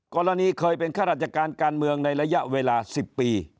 กรณีเคยเป็นข้าราชการการเมืองในระยะเวลา๑๐ปี